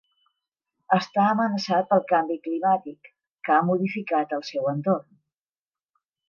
Està amenaçat pel canvi climàtic, que ha modificat el seu entorn.